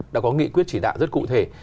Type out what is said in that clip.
đã có nghị quyết chỉ đạo rất cụ thể